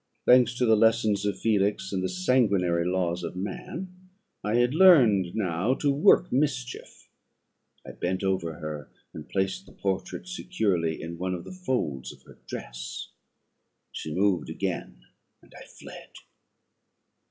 Thanks to the lessons of Felix and the sanguinary laws of man, I had learned now to work mischief. I bent over her, and placed the portrait securely in one of the folds of her dress. She moved again, and I fled.